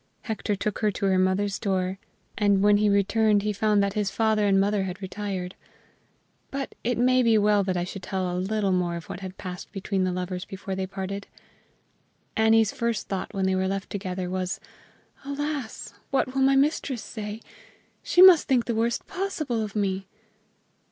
Hector took her to her mother's door, and when he returned he found that his father and mother had retired. But it may be well that I should tell a little more of what had passed between the lovers before they parted. Annie's first thought when they were left together was, "Alas! what will my mistress say? She must think the worst possible of me!"